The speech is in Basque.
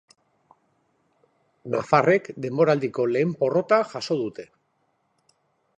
Nafarrek denboraldiko lehen porrota jaso dute.